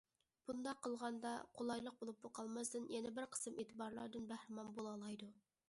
بۇنداق قىلغاندا، قولايلىق بولۇپلا قالماستىن، يەنە بىر قىسىم ئېتىبارلاردىن بەھرىمەن بولالايدۇ.